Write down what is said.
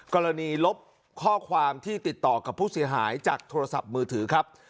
ลบข้อความที่ติดต่อกับผู้เสียหายจากโทรศัพท์มือถือครับ